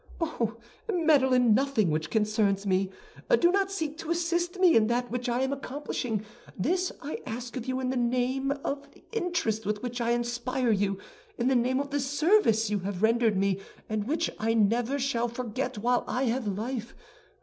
"Oh, meddle in nothing which concerns me. Do not seek to assist me in that which I am accomplishing. This I ask of you in the name of the interest with which I inspire you, in the name of the service you have rendered me and which I never shall forget while I have life.